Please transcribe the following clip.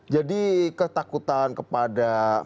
jadi ketakutan kepada